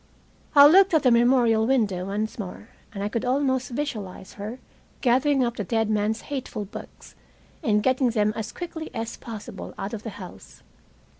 I looked at the memorial window once more, and I could almost visualize her gathering up the dead man's hateful books, and getting them as quickly as possible out of the house.